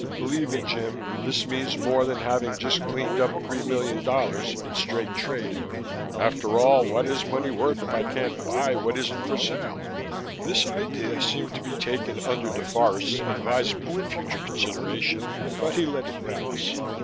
Believe me, Jim, this means more than having just cleaned up three million dollars in straight trading. After all, what is money worth if it can't buy what isn't for sale?" This idea seemed to be taken under DeForest's advisement for future consideration but he let it pass.